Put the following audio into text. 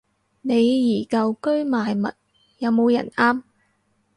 李怡舊居賣物，有冇人啱